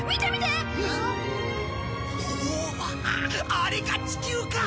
あれが地球か！